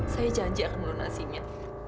saya janji akan melunasinya